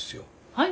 はい？